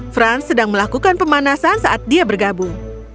frans sedang melakukan pemanasan saat dia bergabung